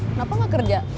kenapa gak kerja